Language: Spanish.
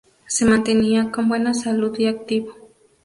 Se mantenía con buena salud y activo.